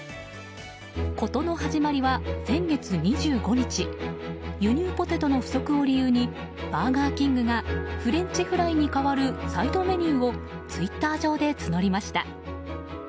事の始まりは先月２５日輸入ポテトの不足を理由にバーガーキングがフレンチフライに代わるサイドメニューをツイッター上で募りました。